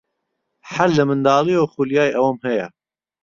هەر لە منداڵییەوە خولیای ئەوەم هەیە.